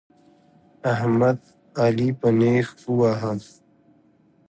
احمد؛ علي په نېښ وواهه.